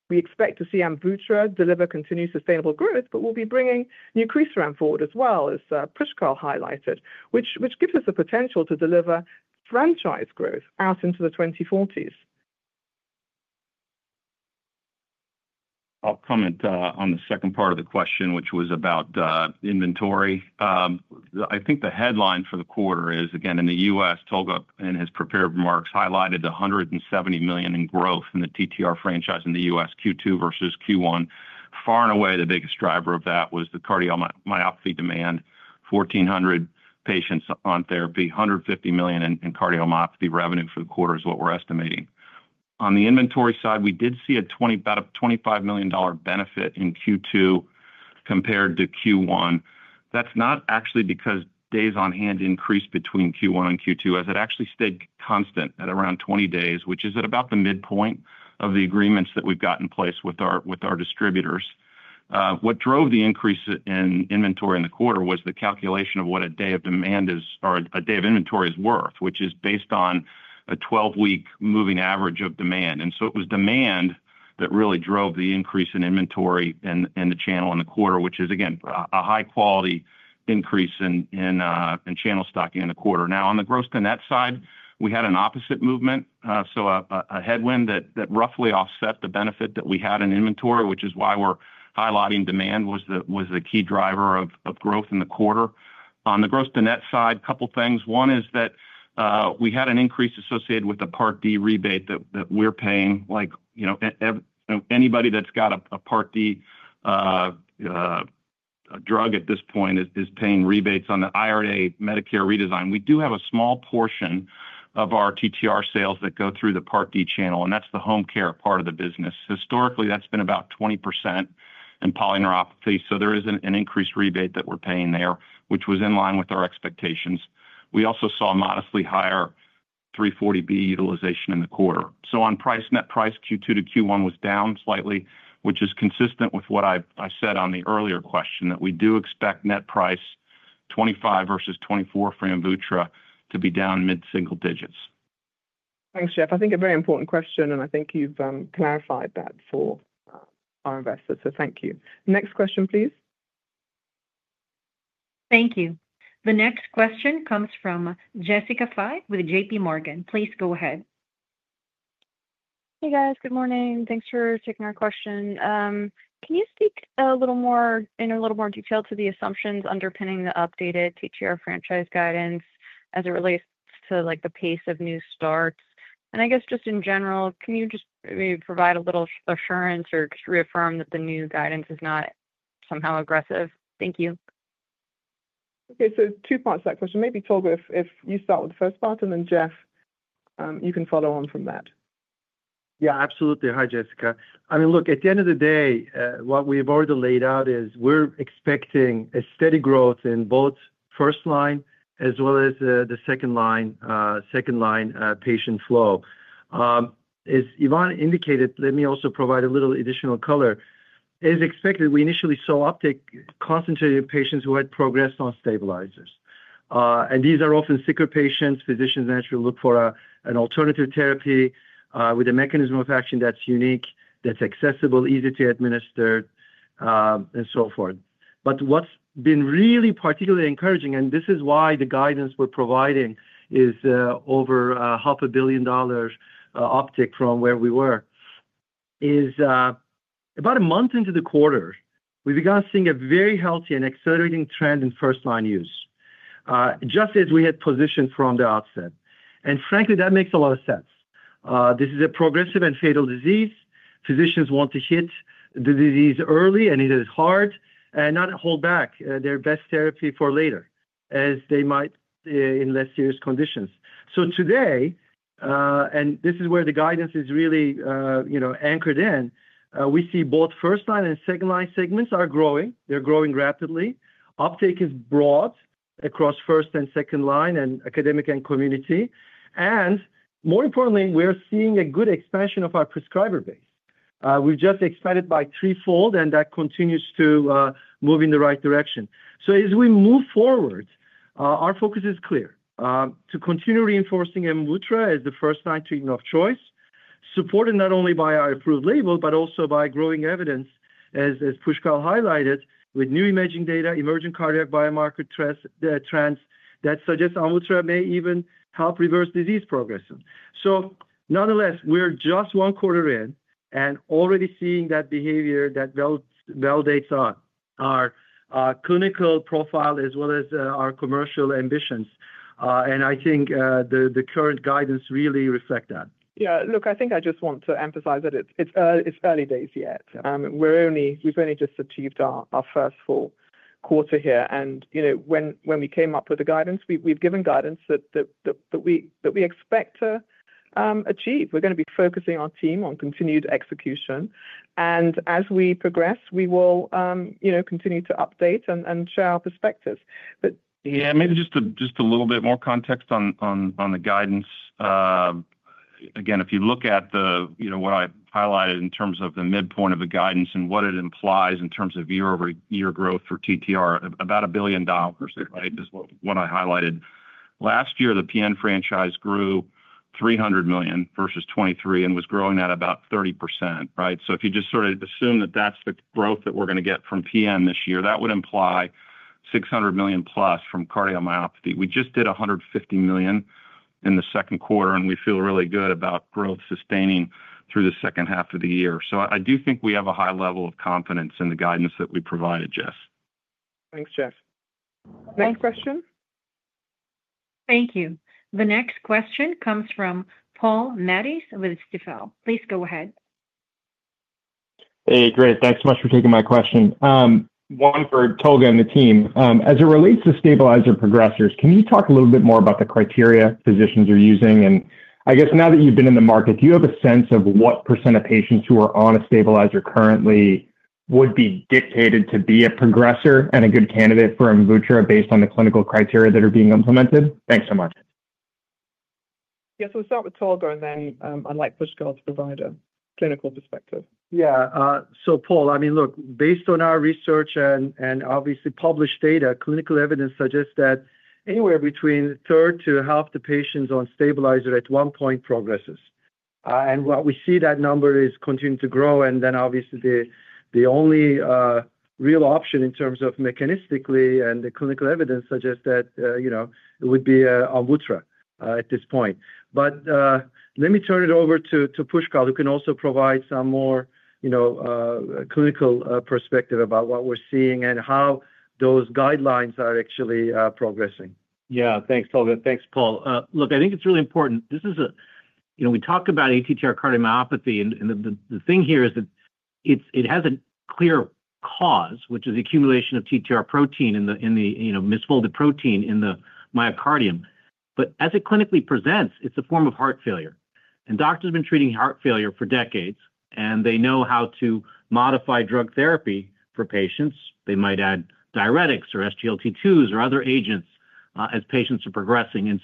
We expect to see AMVUTTRA deliver continued sustainable growth, but we'll be bringing nucriseran forward as well, as Pushkal highlighted, which gives us the potential to deliver franchise growth out into the 2040s. I'll comment on the second part of the question, which was about inventory. I think the headline for the quarter is, again, in the U.S., Tolga has prepared remarks, highlighted the $170 million in growth in the TTR franchise in the U.S., Q2 versus Q1. Far and away, the biggest driver of that was the cardiomyopathy demand, 1,400 patients on therapy, $150 million in cardiomyopathy revenue for the quarter is what we're estimating. On the inventory side, we did see about a $25 million benefit in Q2 compared to Q1. That's not actually because days on hand increased between Q1 and Q2, as it actually stayed constant at around 20 days, which is at about the midpoint of the agreements that we've got in place with our distributors. What drove the increase in inventory in the quarter was the calculation of what a day of demand or a day of inventory is worth, which is based on a 12-week moving average of demand. It was demand that really drove the increase in inventory and the channel in the quarter, which is, again, a high-quality increase in channel stocking in the quarter. Now, on the gross to net side, we had an opposite movement, so a headwind that roughly offset the benefit that we had in inventory, which is why we're highlighting demand was the key driver of growth in the quarter. On the gross to net side, a couple of things. One is that we had an increase associated with the Part D rebate that we're paying. Anybody that's got a Part D drug at this point is paying rebates on the IRA Medicare redesign. We do have a small portion of our TTR sales that go through the Part D channel, and that's the home care part of the business. Historically, that's been about 20% in polyneuropathy. There is an increased rebate that we're paying there, which was in line with our expectations. We also saw modestly higher 340B utilization in the quarter. On price, net price Q2 to Q1 was down slightly, which is consistent with what I said on the earlier question, that we do expect net price 2025 versus 2024 for AMVUTTRA to be down mid-single digits. Thanks, Jeff. I think a very important question, and I think you've clarified that for our investors. So thank you. Next question, please. Thank you. The next question comes from Jessica Fye with J.P. Morgan. Please go ahead. Hey, guys. Good morning. Thanks for taking our question. Can you speak a little more in a little more detail to the assumptions underpinning the updated TTR franchise guidance as it relates to the pace of new starts? I guess just in general, can you just maybe provide a little assurance or just reaffirm that the new guidance is not somehow aggressive? Thank you. Okay. Two parts to that question. Maybe, Tolga, if you start with the first part, and then Jeff, you can follow on from that. Yeah, absolutely. Hi, Jessica. I mean, look, at the end of the day, what we've already laid out is we're expecting a steady growth in both first-line as well as the second-line patient flow. As Yvonne indicated, let me also provide a little additional color. As expected, we initially saw uptake concentrated in patients who had progressed on stabilizers, and these are often sicker patients. Physicians naturally look for an alternative therapy with a mechanism of action that's unique, that's accessible, easy to administer, and so forth. What's been really particularly encouraging, and this is why the guidance we're providing is over half a billion dollar uptake from where we were, is about a month into the quarter, we began seeing a very healthy and accelerating trend in first-line use, just as we had positioned from the outset. Frankly, that makes a lot of sense. This is a progressive and fatal disease. Physicians want to hit the disease early, and it is hard and not hold back their best therapy for later as they might in less serious conditions. Today, and this is where the guidance is really anchored in, we see both first-line and second-line segments are growing. They're growing rapidly. Uptake is broad across first and second-line and academic and community. More importantly, we're seeing a good expansion of our prescriber base. We've just expanded by threefold, and that continues to move in the right direction. As we move forward, our focus is clear to continue reinforcing AMVUTTRA as the first-line treatment of choice, supported not only by our approved label, but also by growing evidence, as Pushkal highlighted, with new imaging data, emerging cardiac biomarker trends that suggest AMVUTTRA may even help reverse disease progression. Nonetheless, we're just one quarter in and already seeing that behavior that validates our clinical profile as well as our commercial ambitions. I think the current guidance really reflects that. I just want to emphasize that it's early days yet. We've only just achieved our first full quarter here. When we came up with the guidance, we've given guidance that we expect to achieve. We're going to be focusing our team on continued execution. As we progress, we will continue to update and share our perspectives. Maybe just a little bit more context on the guidance. Again, if you look at what I highlighted in terms of the midpoint of the guidance and what it implies in terms of year-over-year growth for TTR, about $1 billion is what I highlighted. Last year, the PN franchise grew $300 million versus 2023 and was growing at about 30%. If you just sort of assume that that's the growth that we're going to get from PN this year, that would imply $600 million plus from cardiomyopathy. We just did $150 million in the second quarter, and we feel really good about growth sustaining through the second half of the year. I do think we have a high level of confidence in the guidance that we provided, Jess. Thanks, Jeff. Next question. Thank you. The next question comes from Paul Matteis with Stifel. Please go ahead. Great, thanks so much for taking my question. One for Tolga and the team. As it relates to stabilizer-progressors, can you talk a little bit more about the criteria physicians are using? Now that you've been in the market, do you have a sense of what percent of patients who are on a stabilizer currently would be dictated to be a progressor and a good candidate for AMVUTTRA based on the clinical criteria that are being implemented? Thanks so much. We'll start with Tolga and then I'd like Pushkal to provide a clinical perspective. Paul, based on our research and obviously published data, clinical evidence suggests that anywhere between a third to half the patients on stabilizer at one point progress. We see that number is continuing to grow. The only real option in terms of mechanistically and the clinical evidence suggests that it would be AMVUTTRA at this point. Let me turn it over to Pushkal, who can also provide some more. Clinical perspective about what we're seeing and how those guidelines are actually progressing. Yeah. Thanks, Tolga. Thanks, Paul. I think it's really important. We talk about ATTR cardiomyopathy, and the thing here is that it has a clear cause, which is the accumulation of TTR protein in the misfolded protein in the myocardium. As it clinically presents, it's a form of heart failure. Doctors have been treating heart failure for decades, and they know how to modify drug therapy for patients. They might add diuretics or SGLT2s or other agents as patients are progressing.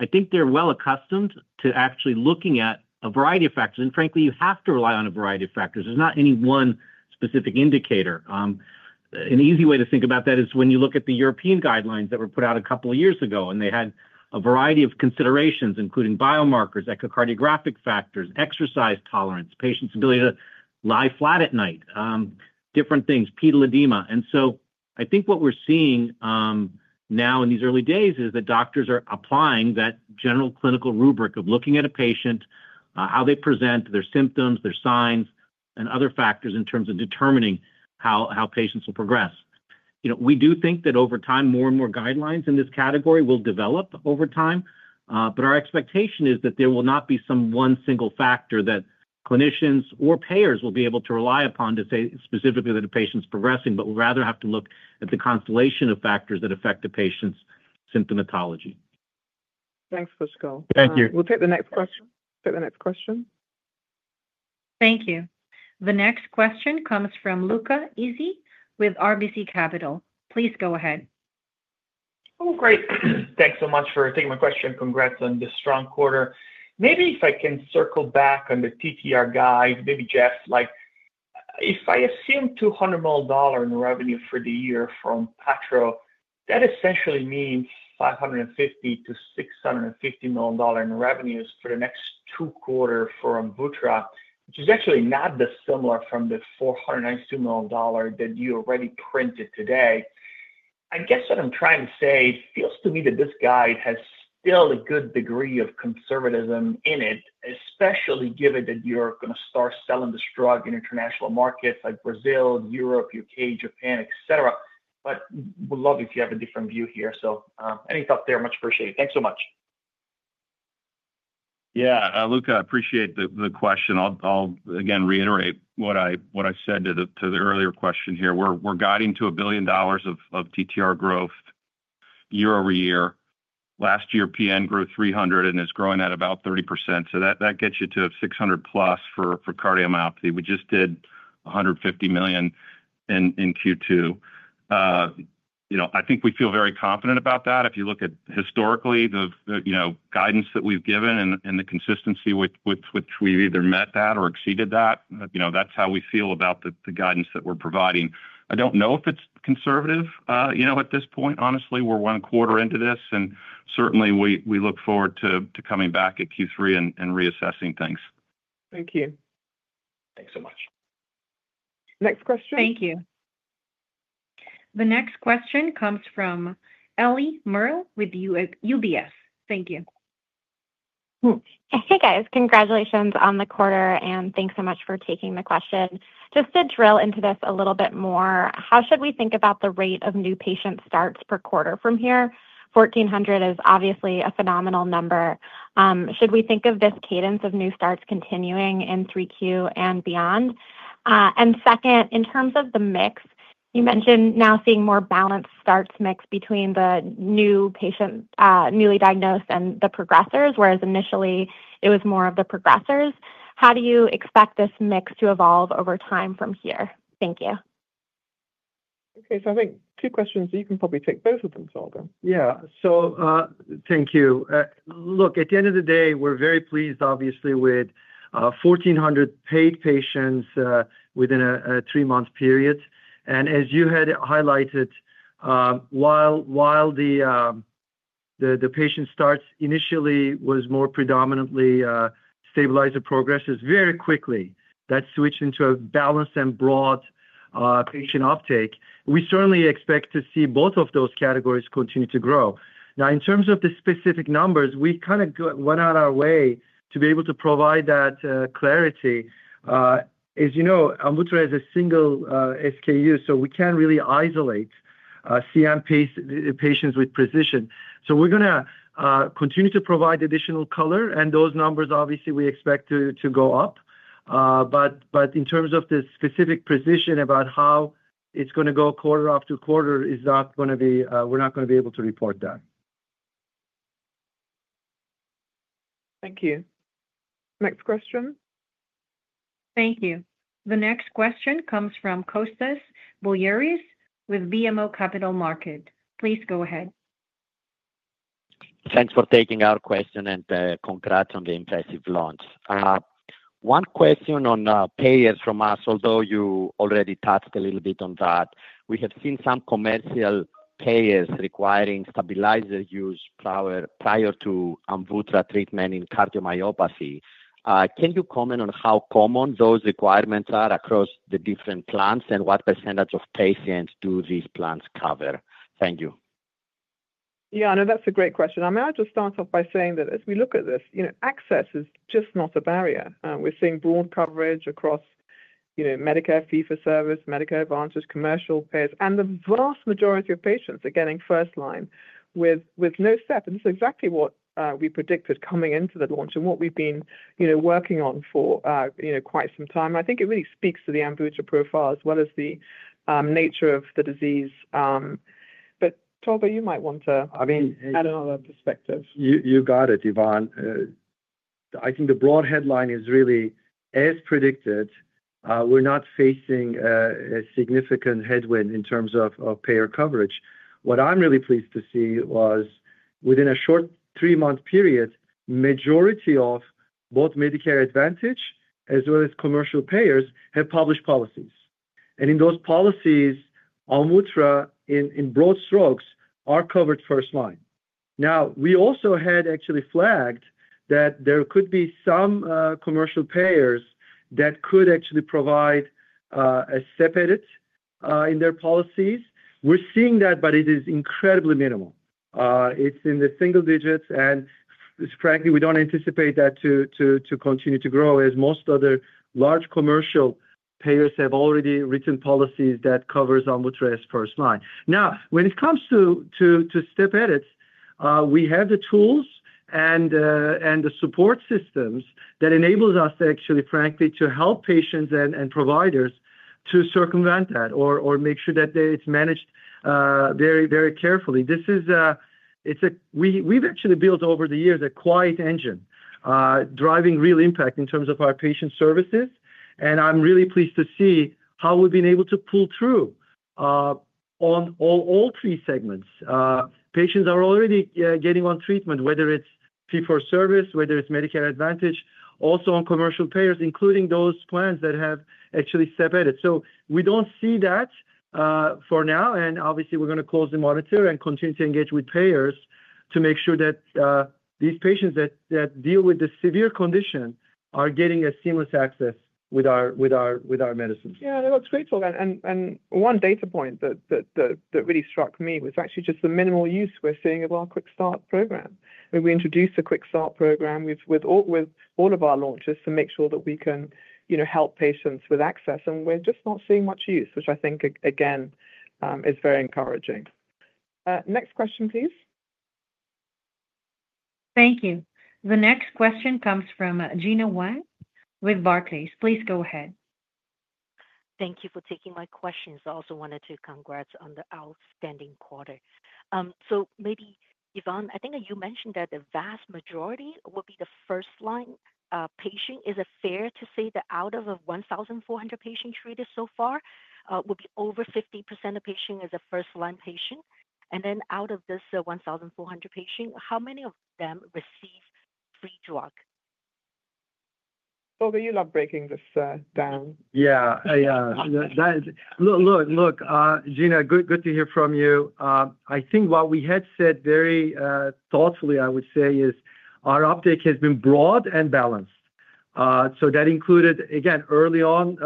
I think they're well accustomed to actually looking at a variety of factors. Frankly, you have to rely on a variety of factors. There's not any one specific indicator. An easy way to think about that is when you look at the European guidelines that were put out a couple of years ago, and they had a variety of considerations, including biomarkers, echocardiographic factors, exercise tolerance, patient's ability to lie flat at night, different things, pedal edema. I think what we're seeing now in these early days is that doctors are applying that general clinical rubric of looking at a patient, how they present, their symptoms, their signs, and other factors in terms of determining how patients will progress. We do think that over time, more and more guidelines in this category will develop. Our expectation is that there will not be some one single factor that clinicians or payers will be able to rely upon to say specifically that a patient's progressing, but rather have to look at the constellation of factors that affect a patient's symptomatology. Thanks, Pushkal. Thank you. We'll take the next question. Thank you. The next question comes from Luca Issi with RBC Capital. Please go ahead. Oh, great. Thanks so much for taking my question. Congrats on this strong quarter. Maybe if I can circle back on the TTR guide, maybe, Jeff, if I assume $200 million in revenue for the year from ONPATTRO, that essentially means $550 million-$650 million in revenues for the next two quarters for AMVUTTRA, which is actually not dissimilar from the $492 million that you already printed today. I guess what I'm trying to say, it feels to me that this guide has still a good degree of conservatism in it, especially given that you're going to start selling this drug in international markets like Brazil, Europe, UK, Japan, etc. We'd love it if you have a different view here. Any thoughts there? Much appreciated. Thanks so much. Yeah. Luca, I appreciate the question. I'll again reiterate what I said to the earlier question here. We're guiding to $1 billion of TTR growth year over year. Last year, PN grew $300 million and is growing at about 30%. That gets you to $600 million plus for cardiomyopathy. We just did $150 million in Q2. I think we feel very confident about that. If you look at historically, the guidance that we've given and the consistency with which we've either met that or exceeded that, that's how we feel about the guidance that we're providing. I don't know if it's conservative at this point. Honestly, we're one quarter into this, and certainly we look forward to coming back at Q3 and reassessing things. Thank you. Thanks so much. Next question. Thank you. The next question comes from Ellie Merle with UBS. Thank you. Hey, guys. Congratulations on the quarter, and thanks so much for taking the question. Just to drill into this a little bit more, how should we think about the rate of new patient starts per quarter from here? 1,400 is obviously a phenomenal number. Should we think of this cadence of new starts continuing in Q3 and beyond? Second, in terms of the mix, you mentioned now seeing more balanced starts mix between the newly diagnosed and the progressors, whereas initially it was more of the progressors. How do you expect this mix to evolve over time from here? Thank you. Okay. I think two questions, so you can probably take both of them, Tolga. Yeah. Thank you. At the end of the day, we're very pleased, obviously, with 1,400 paid patients within a three-month period. As you had highlighted, while the patient starts initially was more predominantly stabilizer-progressor very quickly, that switched into a balanced and broad patient uptake. We certainly expect to see both of those categories continue to grow. Now, in terms of the specific numbers, we kind of went out of our way to be able to provide that clarity. As you know, AMVUTTRA is a single SKU, so we can't really isolate CM patients with precision. We're going to continue to provide additional color, and those numbers, obviously, we expect to go up. In terms of the specific precision about how it's going to go quarter after quarter, we're not going to be able to report that. Thank you. Next question. Thank you. The next question comes from Kostas Biliouris with BMO Capital Markets. Please go ahead. Thanks for taking our question and congrats on the impressive launch. One question on payers from us, although you already touched a little bit on that. We have seen some commercial payers requiring stabilizer use prior to AMVUTTRA treatment in cardiomyopathy. Can you comment on how common those requirements are across the different plans and what percentage of patients do these plans cover? Thank you. Yeah. No, that's a great question. I mean, I'll just start off by saying that as we look at this, access is just not a barrier. We're seeing broad coverage across Medicare, fee-for-service, Medicare Advantage, commercial payers, and the vast majority of patients are getting first-line with no step. This is exactly what we predicted coming into the launch and what we've been working on for quite some time. I think it really speaks to the AMVUTTRA profile as well as the nature of the disease. Tolga, you might want to add another perspective. You got it, Yvonne. I think the broad headline is really, as predicted, we're not facing a significant headwind in terms of payer coverage. What I'm really pleased to see was within a short three-month period, majority of both Medicare Advantage as well as commercial payers have published policies. In those policies, AMVUTTRA, in broad strokes, are covered first-line. We also had actually flagged that there could be some commercial payers that could actually provide a separate in their policies. We're seeing that, but it is incredibly minimal. It's in the single digits. Frankly, we don't anticipate that to continue to grow as most other large commercial payers have already written policies that cover AMVUTTRA as first-line. Now, when it comes to step edits, we have the tools and the support systems that enable us to actually, frankly, to help patients and providers to circumvent that or make sure that it's managed very carefully. We've actually built, over the years, a quiet engine driving real impact in terms of our patient services. I'm really pleased to see how we've been able to pull through on all three segments. Patients are already getting on treatment, whether it's fee-for-service, whether it's Medicare Advantage, also on commercial payers, including those plans that have actually step edits. We don't see that for now. Obviously, we are going to closely monitor and continue to engage with payers to make sure that these patients that deal with the severe condition are getting seamless access with our medicines. Yeah. No, that's great, Tolga. One data point that really struck me was actually just the minimal use we are seeing of our Quick Start program. We introduced a Quick Start program with all of our launches to make sure that we can help patients with access, and we are just not seeing much use, which I think, again, is very encouraging. Next question, please. Thank you. The next question comes from Gena Wang with Barclays. Please go ahead. Thank you for taking my questions. I also wanted to congrats on the outstanding quarter. Maybe, Yvonne, I think you mentioned that the vast majority will be the first-line patient. Is it fair to say that out of 1,400 patients treated so far, over 50% of patients is a first-line patient? Out of this 1,400 patients, how many of them receive free drug? Tolga, you love breaking this down. Yeah. Yeah. Look, Gena, good to hear from you. I think what we had said very thoughtfully, I would say, is our uptake has been broad and balanced. That included, again, early on,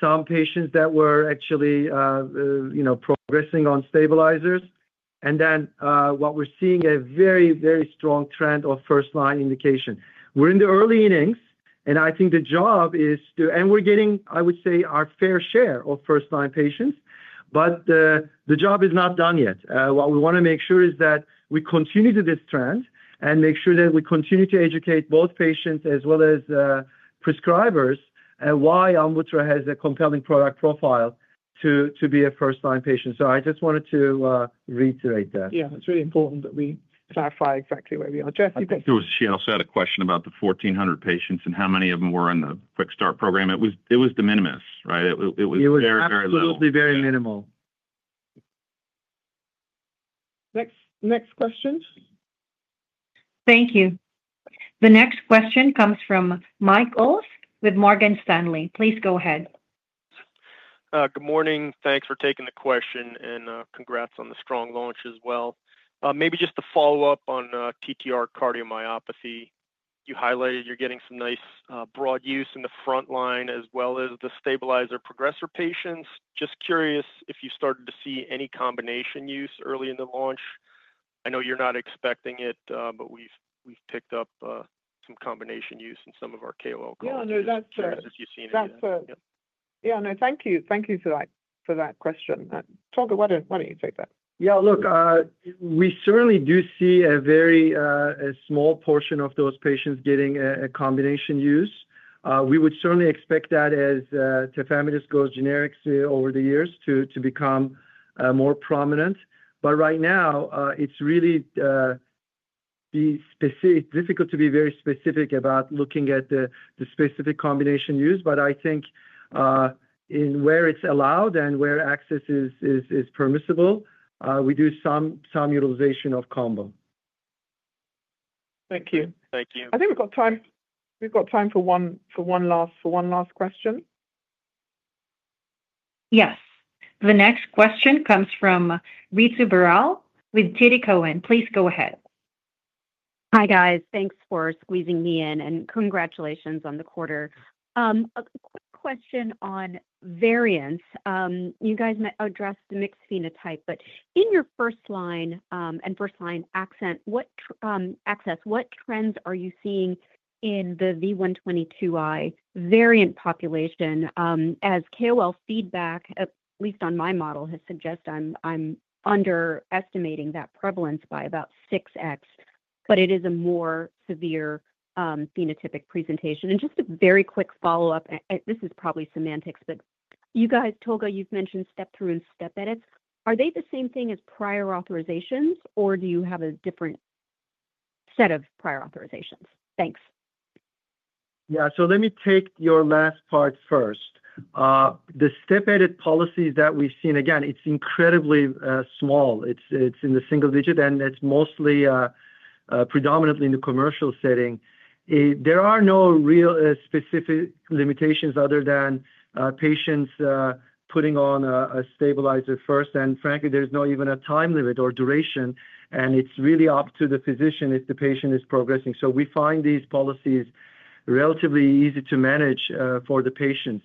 some patients that were actually progressing on stabilizers. What we are seeing is a very, very strong trend of first-line indication. We are in the early innings, and I think the job is to—we are getting, I would say, our fair share of first-line patients, but the job is not done yet. What we want to make sure is that we continue this trend and make sure that we continue to educate both patients as well as prescribers on why AMVUTTRA has a compelling product profile to be a first-line patient. I just wanted to reiterate that. Yeah. It is really important that we clarify exactly where we are. Jeff, you got— I think it was she also had a question about the 1,400 patients and how many of them were in the QuickStart program. It was de minimis, right? It was very, very little. It was absolutely very minimal. Next question. Thank you. The next question comes from Mike Ulz with Morgan Stanley. Please go ahead. Good morning. Thanks for taking the question and congrats on the strong launch as well. Maybe just to follow up on TTR cardiomyopathy, you highlighted you are getting some nice broad use in the front line as well as the stabilizer-progressor patients. Just curious if you started to see any combination use early in the launch. I know you're not expecting it, but we've picked up some combination use in some of our KOL cardiologists as you've seen it. Yeah. No, that's fair. That's fair. Yeah. No, thank you. Thank you for that question. Tolga, why don't you take that? Yeah. Look, we certainly do see a very small portion of those patients getting a combination use. We would certainly expect that as tafamidis goes generic over the years to become more prominent. Right now, it's really difficult to be very specific about looking at the specific combination use. I think in where it's allowed and where access is permissible, we do some utilization of combo. Thank you. Thank you. I think we've got time for one last question. Yes. The next question comes from Ritu Baral with TD Cowen. Please go ahead. Hi, guys. Thanks for squeezing me in. And congratulations on the quarter. A quick question on variance. You guys addressed the mixed phenotype, but in your first-line and first-line access, what trends are you seeing in the V122I variant population? As KOL feedback, at least on my model, has suggested I'm underestimating that prevalence by about 6X, but it is a more severe phenotypic presentation. Just a very quick follow-up. This is probably semantics, but you guys, Tolga, you've mentioned step-through and step edits. Are they the same thing as prior authorizations, or do you have a different set of prior authorizations? Thanks. Yeah. Let me take your last part first. The step-edit policies that we've seen, again, it's incredibly small. It's in the single digit, and it's mostly predominantly in the commercial setting. There are no real specific limitations other than patients putting on a stabilizer first. Frankly, there's not even a time limit or duration, and it's really up to the physician if the patient is progressing. We find these policies relatively easy to manage for the patients.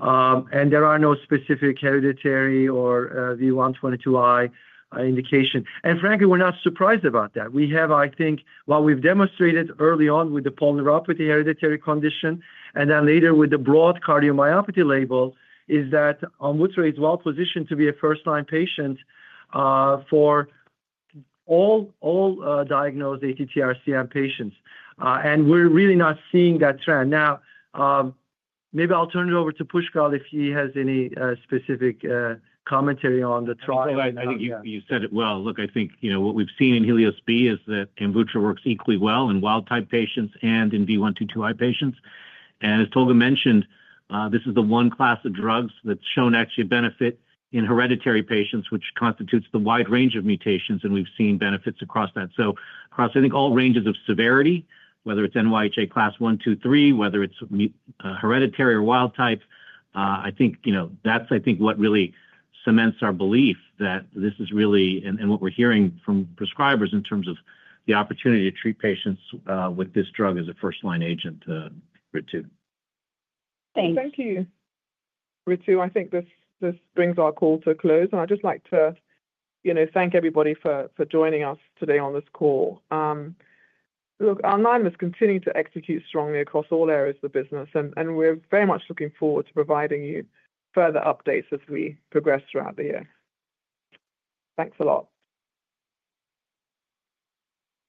There are no specific hereditary or V122I indication. Frankly, we're not surprised about that. We have, I think, what we've demonstrated early on with the polyneuropathy hereditary condition and then later with the broad cardiomyopathy label is that AMVUTTRA is well-positioned to be a first-line patient for all diagnosed ATTRCM patients. We're really not seeing that trend. Maybe I'll turn it over to Pushkal if he has any specific commentary on the trial. I think you said it well. I think what we've seen in HELIOS-B is that AMVUTTRA works equally well in wild-type patients and in V122I patients. As Tolga mentioned, this is the one class of drugs that's shown actual benefit in hereditary patients, which constitutes the wide range of mutations, and we've seen benefits across that. Across all ranges of severity, whether it's NYHA class 1, 2, 3, whether it's hereditary or wild-type, I think that's what really cements our belief that this is really what we're hearing from prescribers in terms of the opportunity to treat patients with this drug as a first-line agent for it too. Thank you. Ritu, I think this brings our call to a close. I'd just like to thank everybody for joining us today on this call. Alnylam has continued to execute strongly across all areas of the business, and we're very much looking forward to providing you further updates as we progress throughout the year. Thanks a lot.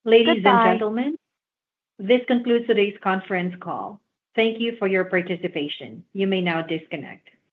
Ladies and gentlemen, this concludes today's conference call. Thank you for your participation. You may now disconnect.